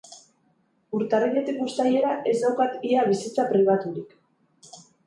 Urtarriletik uztailera ez daukat ia bizitza pribaturik.